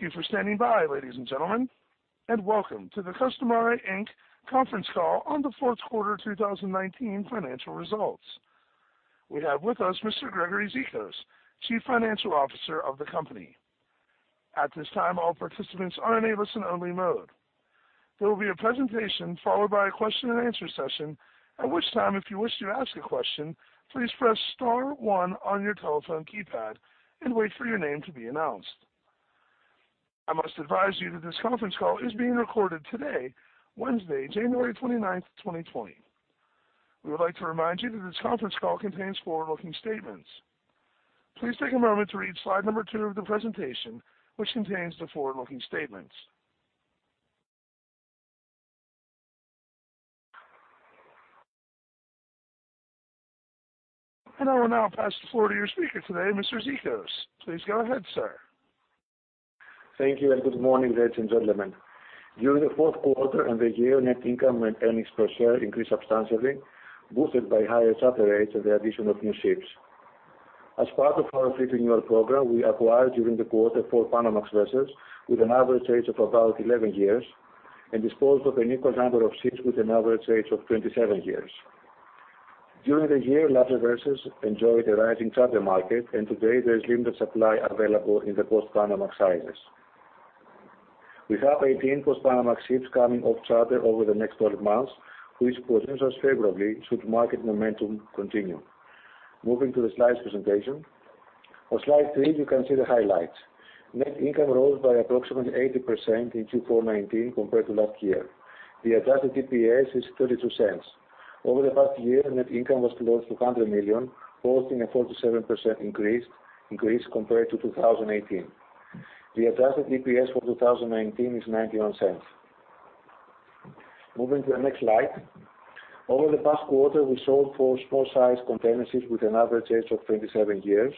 Thank you for standing by, ladies and gentlemen, and welcome to the Costamare Inc. conference call on the fourth quarter 2019 financial results. We have with us Mr. Gregory Zikos, Chief Financial Officer of the company. At this time, all participants are in a listen-only mode. There will be a presentation followed by a question-and-answer session, at which time, if you wish to ask a question, please press star one on your telephone keypad and wait for your name to be announced. I must advise you that this conference call is being recorded today, Wednesday, January 29th, 2020. We would like to remind you that this conference call contains forward-looking statements. Please take a moment to read slide number two of the presentation, which contains the forward-looking statements. I will now pass the floor to your speaker today, Mr. Zikos. Please go ahead, sir. Thank you, and good morning, ladies and gentlemen. During the fourth quarter and the year, net income and earnings per share increased substantially, boosted by higher charter rates and the addition of new ships. As part of our fleet renewal program, we acquired during the quarter four Panamax vessels with an average age of about 11 years and disposed of an equal number of ships with an average age of 27 years. During the year, larger vessels enjoyed a rising charter market, and today there is limited supply available in the post-panamax sizes. We have 18 post-panamax ships coming off charter over the next 12 months, which positions us favorably should market momentum continue. Moving to the slides presentation. On slide three, you can see the highlights. Net income rose by approximately 80% in Q4 2019 compared to last year. The adjusted EPS is $0.32. Over the past year, net income was close to $100 million, posting a 47% increase compared to 2018. The adjusted EPS for 2019 is $0.91. Moving to the next slide. Over the past quarter, we sold four small-sized containerships with an average age of 27 years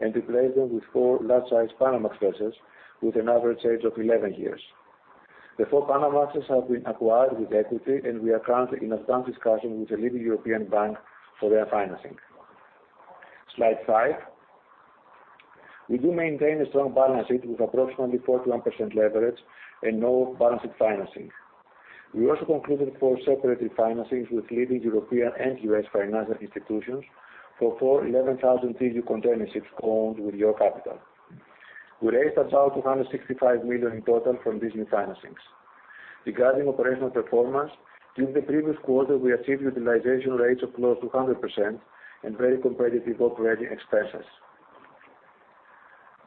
and replaced them with four large-sized Panamax vessels with an average age of 11 years. The four Panamax have been acquired with equity, and we are currently in advanced discussions with a leading European bank for their financing. Slide five. We do maintain a strong balance sheet with approximately 41% leverage and no balance sheet financing. We also concluded four separate refinancings with leading European and U.S. financial institutions for four 11,000 TEU containerships owned with York Capital. We raised about $265 million in total from these refinancings. Regarding operational performance, during the previous quarter, we achieved utilization rates of close to 100% and very competitive operating expenses.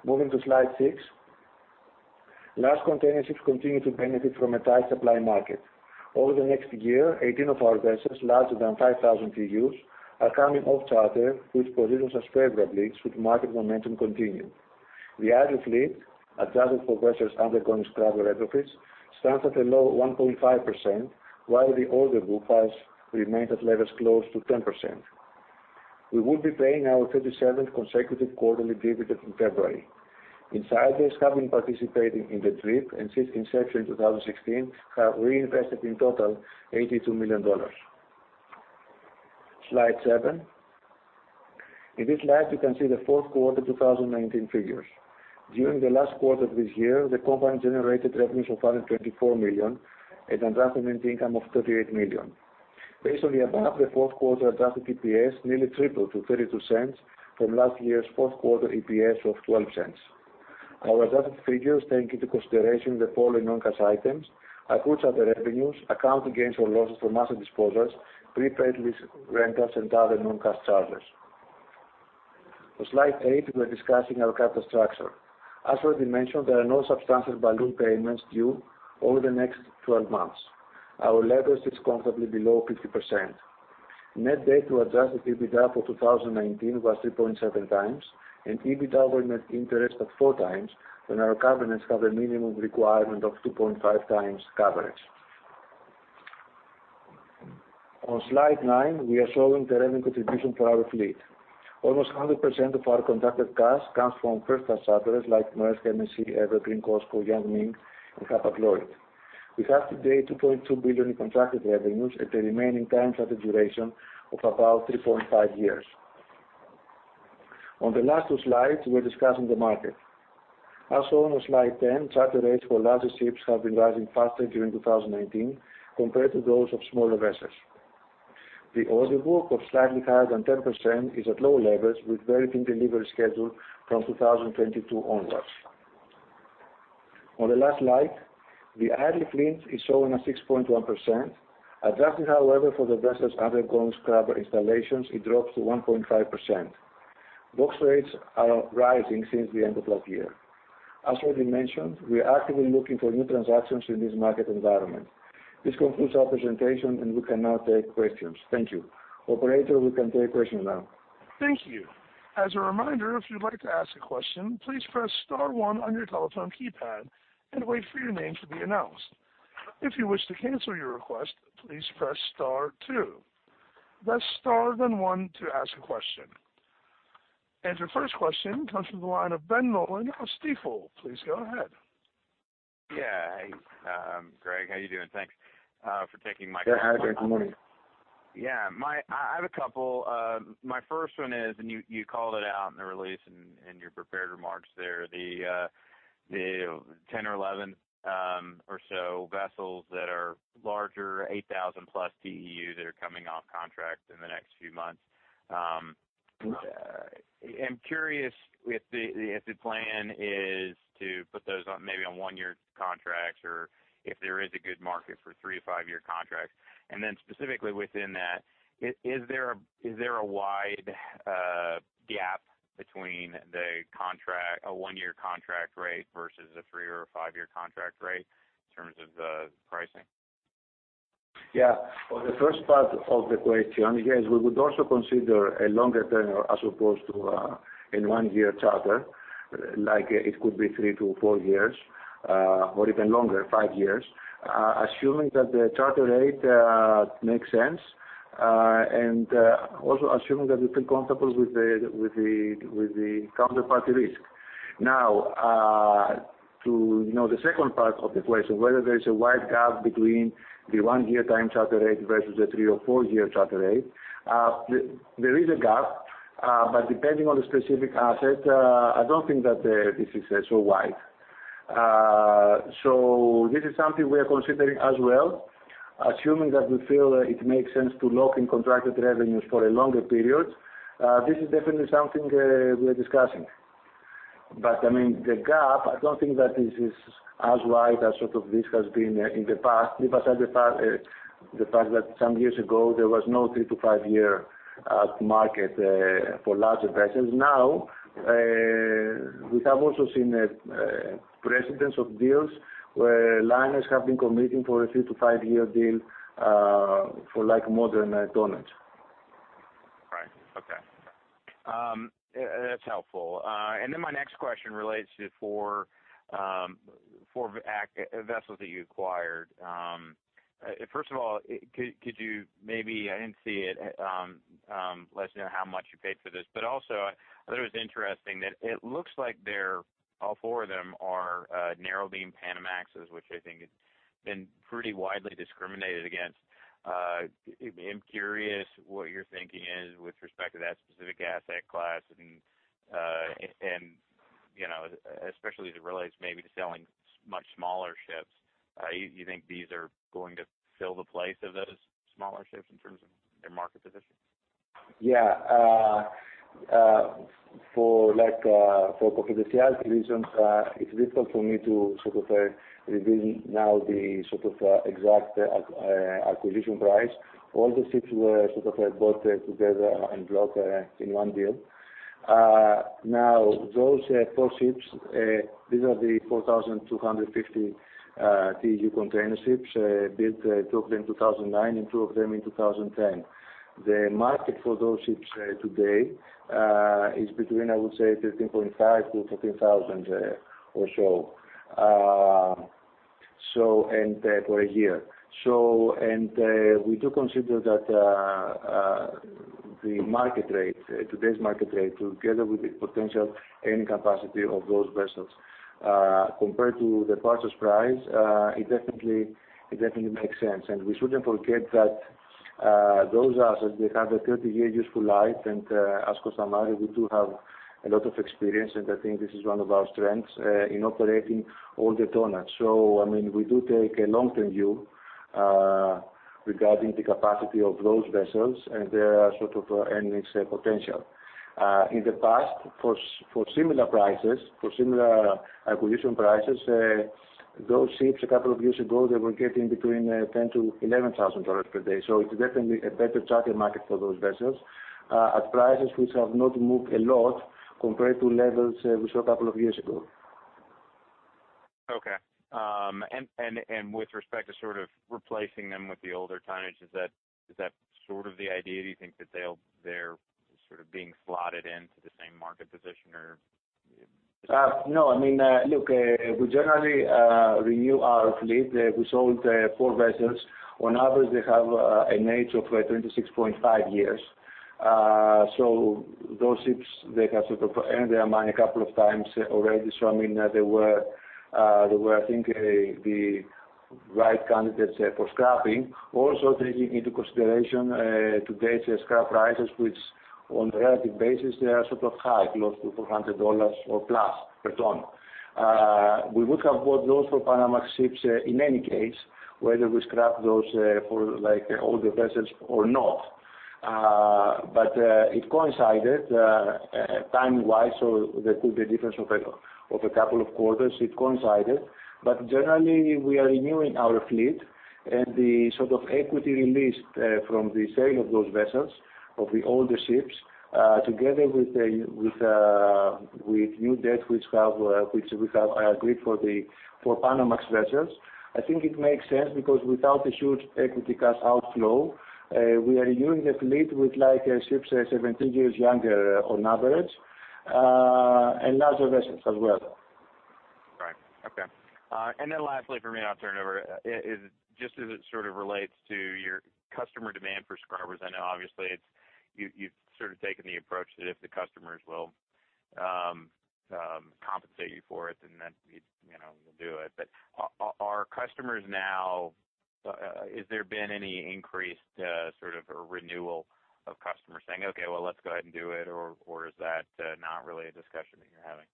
Moving to slide six. Large containerships continue to benefit from a tight supply market. Over the next year, 18 of our vessels larger than 5,000 TEUs are coming off charter, which positions us favorably should market momentum continue. The idle fleet, adjusted for vessels undergoing scrubber retrofits, stands at a low 1.5%, while the order book has remained at levels close to 10%. We will be paying our 37th consecutive quarterly dividend in February. Insiders have been participating in the DRIP and since inception in 2016, have reinvested in total $82 million. Slide seven. In this slide, you can see the fourth quarter 2019 figures. During the last quarter of this year, the company generated revenues of $124 million and adjusted net income of $38 million. Based on the above, the fourth quarter adjusted EPS nearly tripled to $0.32 from last year's fourth quarter EPS of $0.12. Our adjusted figures take into consideration the following non-cash items, accrued charter revenues, accounting gains or losses from asset disposals, prepaid lease rentals, and other non-cash charges. On slide eight, we are discussing our capital structure. As already mentioned, there are no substantial balloon payments due over the next 12 months. Our leverage sits comfortably below 50%. Net debt to adjusted EBITDA for 2019 was 3.7x and EBITDA over net interest at 4x when our covenants have a minimum requirement of 2.5x coverage. On slide nine, we are showing the revenue contribution for our fleet. Almost 100% of our contracted cash comes from first-class charterers like Maersk, MSC, Evergreen, COSCO, YangMing, and Hapag-Lloyd. We have today $2.2 billion in contracted revenues at the remaining time charter duration of about 3.5 years. On the last two slides, we're discussing the market. As shown on slide 10, charter rates for larger ships have been rising faster during 2019 compared to those of smaller vessels. The order book of slightly higher than 10% is at low levels with very thin delivery schedule from 2022 onwards. On the last slide, the idle fleet is showing at 6.1%. Adjusted, however, for the vessels undergoing scrubber installations, it drops to 1.5%. Box rates are rising since the end of last year. As already mentioned, we are actively looking for new transactions in this market environment. This concludes our presentation, and we can now take questions. Thank you. Operator, we can take questions now. Thank you. As a reminder, if you'd like to ask a question, please press star one on your telephone keypad and wait for your name to be announced. If you wish to cancel your request, please press star two. That's star, then one to ask a question. Your first question comes from the line of Ben Nolan of Stifel. Please go ahead. Yeah. Hey, Greg. How are you doing? Thanks for taking my call. Yeah, hi, Ben. Good morning. Yeah, I have a couple. My first one is, and you called it out in the release in your prepared remarks there, the 10 or 11 or so vessels that are larger, 8,000+ TEU that are coming off contract in the next few months. I'm curious if the plan is to put those maybe on one-year contracts, or if there is a good market for three- to five-year contracts. Specifically within that, is there a wide gap between a one-year contract rate versus a three- or a five-year contract rate in terms of the pricing? For the first part of the question, yes, we would also consider a longer tenure as opposed to a one-year charter. It could be three to four years or even longer, five years, assuming that the charter rate makes sense, and also assuming that we feel comfortable with the counterparty risk. To the second part of the question, whether there's a wide gap between the one-year time charter rate versus a three or four-year charter rate. There is a gap but depending on the specific asset, I don't think that this is so wide. This is something we are considering as well, assuming that we feel it makes sense to lock in contracted revenues for a longer period. This is definitely something we are discussing. The gap, I don't think that this is as wide a sort of risk as has been in the past. Despite the fact that some years ago, there was no three-to-five-year market for larger vessels. We have also seen precedents of deals where liners have been committing for a three- to five-year deal for modern tonnages. Right. Okay. That's helpful. My next question relates to four vessels that you acquired. First of all, could you maybe, I didn't see it, let us know how much you paid for this? I thought it was interesting that it looks like all four of them are narrow-beam Panamax, which I think has been pretty widely discriminated against. I'm curious what your thinking is with respect to that specific asset class, and especially as it relates maybe to selling much smaller ships. You think these are going to fill the place of those smaller ships in terms of their market position? Yeah. For confidentiality reasons it's difficult for me to reveal now the exact acquisition price. All the ships were sort of bought together in block, in one deal. Those four ships, these are the 4,250 TEU containerships built, two of them in 2009 and two of them in 2010. The market for those ships today is between, I would say, $13,500-$14,000 or so for a year. We do consider that today's market rate, together with the potential earning capacity of those vessels compared to the purchase price it definitely makes sense. We shouldn't forget that those assets, they have a 30-year useful life, and as Costamare, we do have a lot of experience, and I think this is one of our strengths in operating older tonnage. We do take a long-term view regarding the capacity of those vessels and their earnings potential. In the past, for similar acquisition prices, those ships a couple of years ago, they were getting between $10,000-$11,000 per day. It's definitely a better charter market for those vessels at prices which have not moved a lot compared to levels we saw a couple of years ago. Okay. With respect to sort of replacing them with the older tonnage, is that sort of the idea? Do you think that they're sort of being slotted into the same market position or? No. Look, we generally renew our fleet. We sold four vessels. On average, they have an age of 26.5 years. Those ships, they have earned their money a couple of times already. They were, I think, the right candidates for scrapping. Taking into consideration today's scrap prices, which on a relative basis, they are sort of high, close to $400 or plus per ton. We would have bought those four Panamax ships in any case, whether we scrap those older vessels or not. It coincided time-wise, so there could be a difference of a couple of quarters. It coincided. Generally, we are renewing our fleet and the sort of equity released from the sale of those vessels, of the older ships, together with new debt which we have agreed for Panamax vessels. I think it makes sense because without a huge equity cash outflow we are renewing the fleet with ships 17 years younger on average, and larger vessels as well. Right. Okay. Lastly from me, and I'll turn it over. Just as it sort of relates to your customer demand for scrubbers, I know obviously you've sort of taken the approach that if the customers will compensate you for it, and then we'll do it. Has there been any increased sort of a renewal of customers saying, "Okay, well, let's go ahead and do it," or is that not really a discussion that you're having?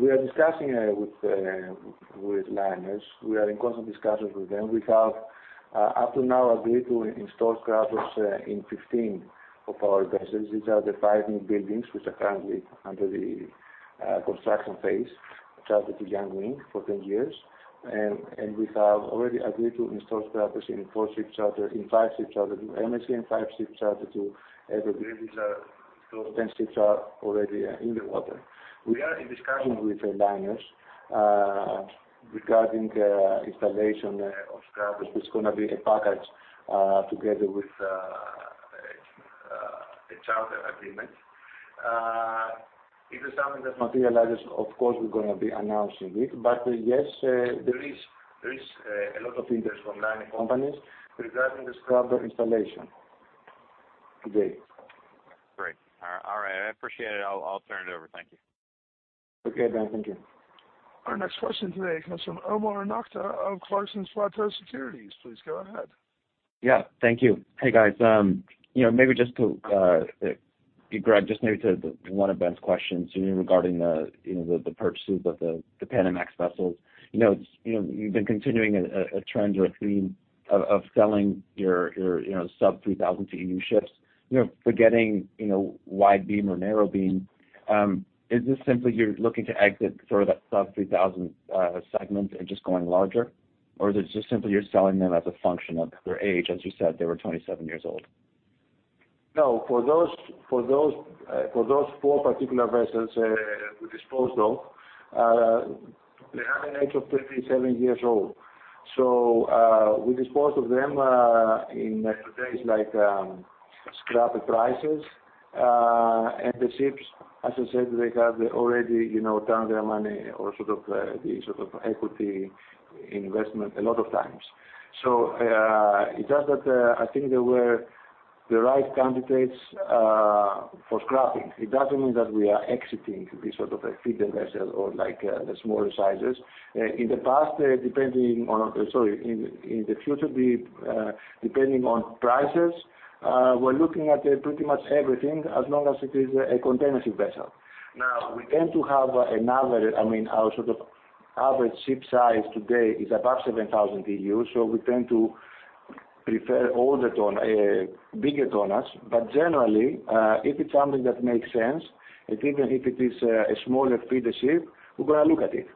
We are discussing with liners. We are in constant discussions with them. We have, up to now, agreed to install scrubbers in 15 of our vessels. These are the five newbuildings which are currently under the construction phase, chartered to YangMing for 10 years. We have already agreed to install scrubbers in five ships chartered to MSC, and five ships chartered to Evergreen. Those 10 ships are already in the water. We are in discussion with the liners regarding installation of scrubbers. It's going to be a package together with a charter agreement. If it's something that materializes, of course, we're going to be announcing it. Yes, there is a lot of interest from liner companies regarding the scrubber installation today. Great. All right. I appreciate it. I'll turn it over. Thank you. Okay, bye. Thank you. Our next question today comes from Omar Nokta of Clarksons Platou Securities. Please go ahead. Yeah, thank you. Hey, guys. Greg, just maybe to one of Ben's questions regarding the purchases of the Panamax vessels. You've been continuing a trend or a theme of selling your sub 3,000 TEU ships, forgetting wide beam or narrow beam. Is this simply you're looking to exit sort of that sub 3,000 segment and just going larger? Or is it just simply you're selling them as a function of their age? As you said, they were 27 years old? For those four particular vessels we disposed of, they are an age of 27 years old. We disposed of them in today's scrap prices. The ships, as I said, they have already returned their money or the sort of equity investment a lot of times. It's just that I think they were the right candidates for scrapping. It doesn't mean that we are exiting this sort of a feeder vessel or the smaller sizes. In the future, depending on prices we're looking at pretty much everything, as long as it is a containership vessel. We tend to have an average ship size today is above 7,000 TEU, so we tend to prefer bigger tonnage. Generally, if it's something that makes sense, even if it is a smaller feeder ship, we're going to look at it.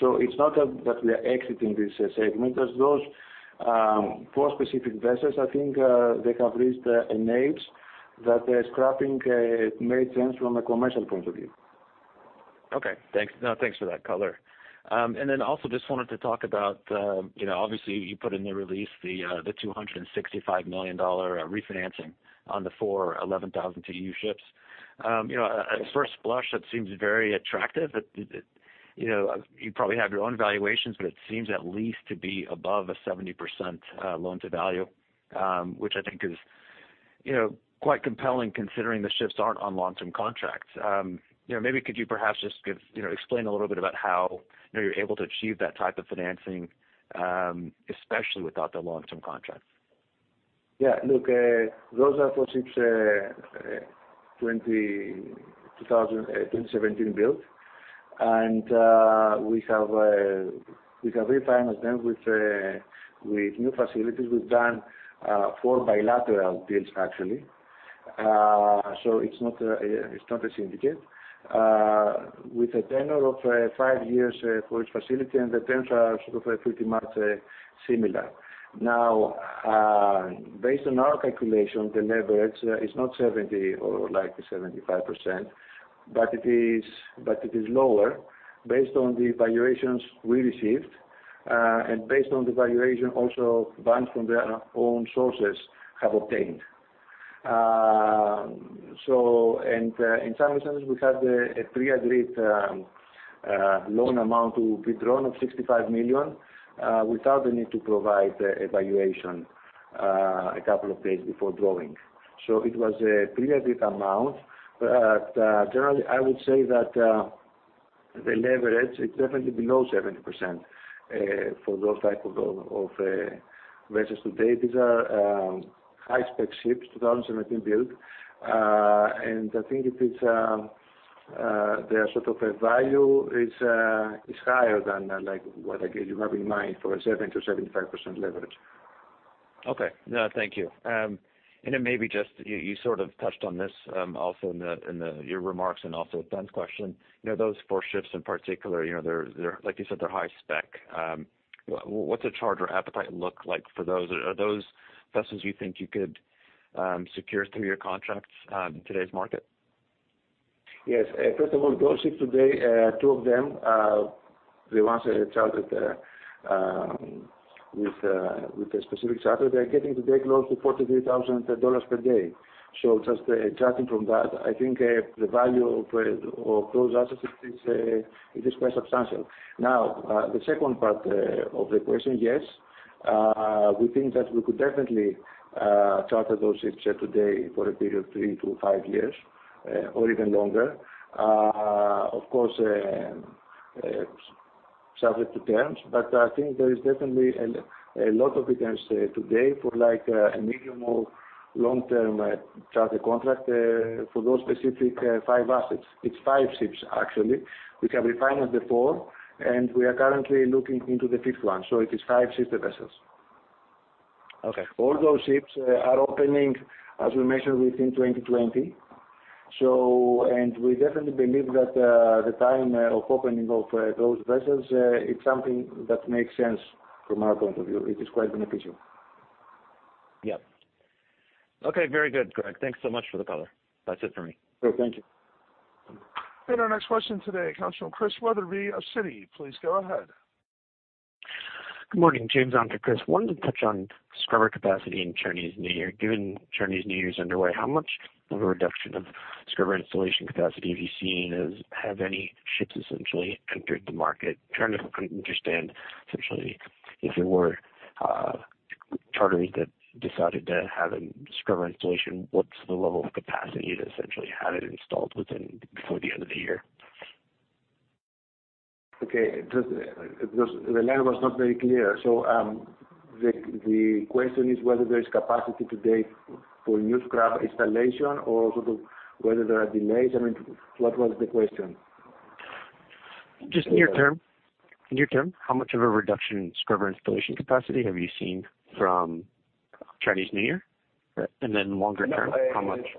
It's not that we are exiting this segment. Those four specific vessels, I think they have reached an age that scrapping made sense from a commercial point of view. Okay. Thanks for that color. Also just wanted to talk about obviously you put in the release the $265 million refinancing on the four 11,000 TEU ships. At first blush, that seems very attractive. You probably have your own valuations, but it seems at least to be above a 70% loan to value, which I think is quite compelling considering the ships aren't on long-term contracts. Maybe could you perhaps just explain a little bit about how you're able to achieve that type of financing especially without the long-term contracts? Yeah. Look, those are four ships 2017 built, and we have refinanced them with new facilities. We've done four bilateral deals, actually so it's not a syndicate with a tenure of five years for each facility, and the terms are sort of pretty much similar. Now based on our calculation, the leverage is not 70% or like 75%, but it is lower based on the valuations we received and based on the valuation also banks from their own sources have obtained. In some instances, we had a pre-agreed loan amount to be drawn of $65 million without the need to provide a valuation a couple of days before drawing. It was a pre-agreed amount. Generally, I would say that the leverage is definitely below 70% for those type of vessels today. These are high-spec ships, 2017 built. I think their sort of value is higher than what, again, you have in mind for a 70%-75% leverage. Okay. Thank you. Maybe just you sort of touched on this also in your remarks and also Ben's question. Those four ships in particular, like you said, they're high spec. What's the charter appetite look like for those? Are those vessels you think you could secure through your contracts in today's market? First of all, those ships today two of them, the ones chartered with a specific charter, they are getting today close to $43,000 per day. Just judging from that, I think the value of those assets is quite substantial. The second part of the question, we think that we could definitely charter those ships today for a period of three to five years or even longer. Of course, subject to terms. I think there is definitely a lot of returns today for a medium or long-term charter contract for those specific five assets. It's five ships, actually. We can refinance the four, and we are currently looking into the fifth one. It is five sister vessels. Okay. All those ships are opening, as we mentioned, within 2020. We definitely believe that the time of opening of those vessels, it's something that makes sense from our point of view. It is quite beneficial. Yeah. Okay, very good, Gregory. Thanks so much for the color. That's it for me. Sure. Thank you. Our next question today comes from Chris Wetherbee of Citi. Please go ahead. Good morning, James on for Chris. Wanted to touch on scrubber capacity in Chinese New Year. Given Chinese New Year's underway, how much of a reduction of scrubber installation capacity have you seen? Have any ships essentially entered the market? Trying to understand essentially if there were charterers that decided to have a scrubber installation, what's the level of capacity that essentially had it installed before the end of the year? Okay. The line was not very clear. The question is whether there is capacity today for new scrubber installation or sort of whether there are delays? I mean, what was the question? Just near-term. Near-term, how much of a reduction in scrubber installation capacity have you seen from Chinese New Year? Longer term, how much-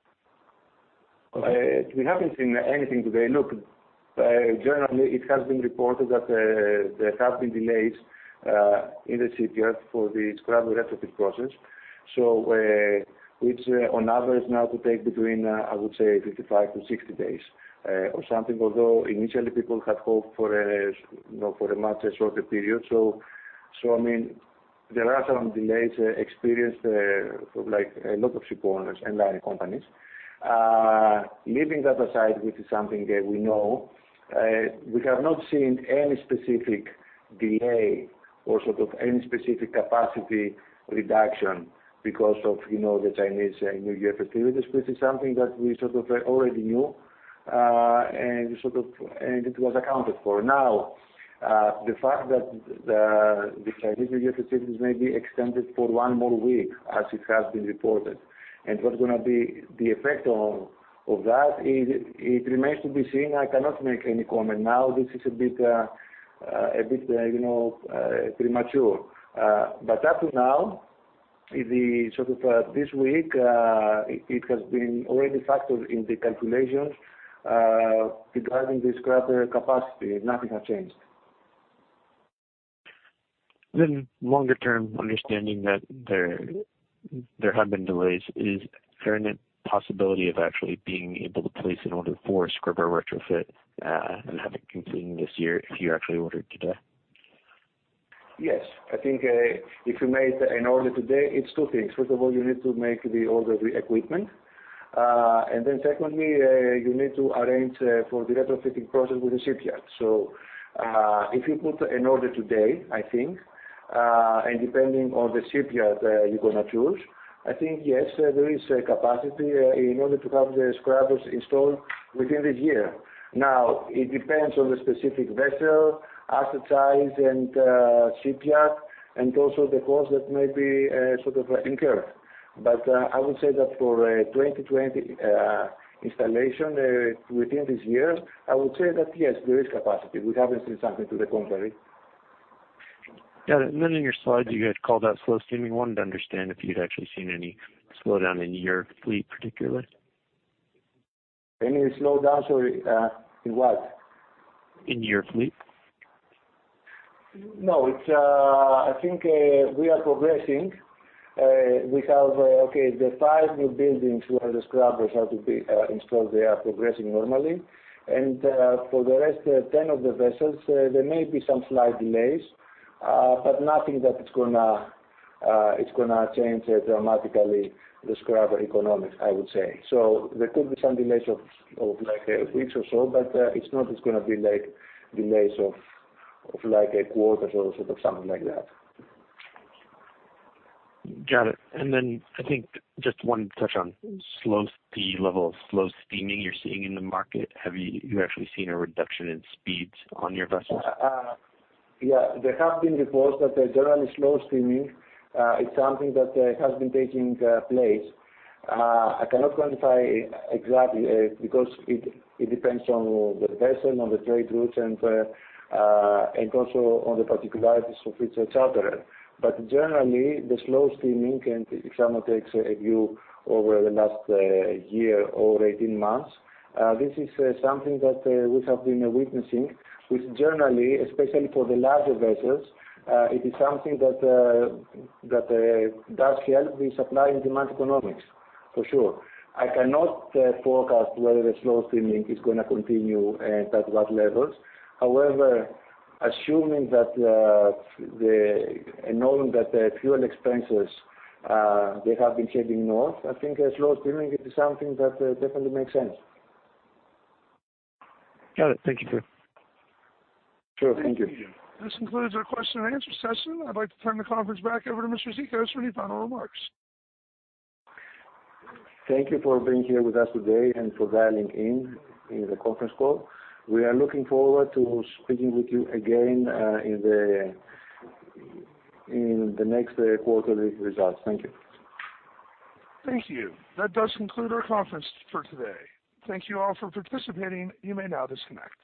We haven't seen anything today. Look, generally, it has been reported that there have been delays in the shipyards for the scrubber retrofit process. Which on average now could take between, I would say 55-60 days or something. Although initially people had hoped for a much shorter period. I mean, there are some delays experienced for a lot of ship owners and hiring companies. Leaving that aside, which is something that we know, we have not seen any specific delay or sort of any specific capacity reduction because of the Chinese New Year festivities, which is something that we sort of already knew, and it was accounted for. The fact that the Chinese New Year festivities may be extended for one more week as it has been reported, and what's going to be the effect of that, it remains to be seen. I cannot make any comment now. This is a bit premature. Up to now, this week, it has been already factored in the calculations regarding the scrubber capacity. Nothing has changed. Longer term, understanding that there have been delays, is there any possibility of actually being able to place an order for a scrubber retrofit and have it completing this year if you actually ordered today? Yes. I think if you made an order today, it's two things. First of all, you need to make the order of the equipment. Secondly, you need to arrange for the retrofitting process with the shipyard. If you put an order today, I think, and depending on the shipyard you're going to choose, I think, yes, there is capacity in order to have the scrubbers installed within this year. It depends on the specific vessel, asset size, and shipyard, and also the cost that may be incurred. I would say that for 2020 installation within this year, I would say that yes, there is capacity. We haven't seen something to the contrary. Got it. In your slides, you had called out slow steaming. Wanted to understand if you'd actually seen any slowdown in your fleet, particularly. Any slowdown? Sorry, in what? In your fleet. No. I think we are progressing. We have the five newbuildings where the scrubbers have to be installed, they are progressing normally. For the rest of 10 of the vessels, there may be some slight delays, but nothing that it's going to change dramatically the scrubber economics, I would say. There could be some delays of like a week or so, but it's not it's going to be delays of like a quarter or something like that. Got it. I think just wanted to touch on the level of slow steaming you're seeing in the market. Have you actually seen a reduction in speeds on your vessels? Yeah. There have been reports that generally slow steaming is something that has been taking place. I cannot quantify exactly because it depends on the vessel, on the trade routes, and also on the particularities of each charterer. Generally, the slow steaming, if someone takes a view over the last year or 18 months, this is something that we have been witnessing, which generally, especially for the larger vessels, it is something that does help the supply and demand economics, for sure. I cannot forecast whether the slow steaming is going to continue and at what levels. However, assuming that and knowing that the fuel expenses, they have been heading north, I think slow steaming is something that definitely makes sense. Got it. Thank you, Greg. Sure. Thank you. This concludes our question-and-answer session. I'd like to turn the conference back over to Mr. Zikos for any final remarks. Thank you for being here with us today and for dialing in in the conference call. We are looking forward to speaking with you again in the next quarterly results. Thank you. Thank you. That does conclude our conference for today. Thank you all for participating. You may now disconnect.